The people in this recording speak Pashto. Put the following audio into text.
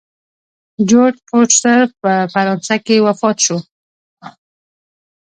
جورج فورسټر په فرانسه کې وفات شو.